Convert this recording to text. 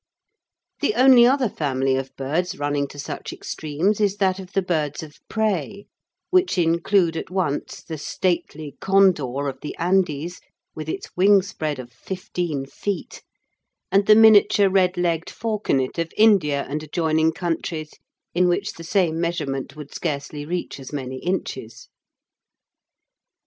The only other family of birds running to such extremes is that of the birds of prey, which include at once the stately condor of the Andes with its wing spread of fifteen feet, and the miniature red legged falconet of India and adjoining countries, in which the same measurement would scarcely reach as many inches.